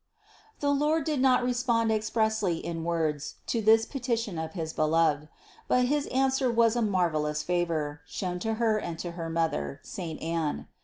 The Lord did not respond expressly in words to this petition of his Beloved; but his answer was a mar velous favor, shown to Her and to her mother, saint Anne.